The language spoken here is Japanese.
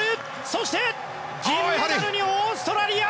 そして銀メダルにオーストラリア！